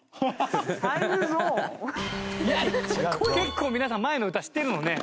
結構皆さん前の歌知ってるのね。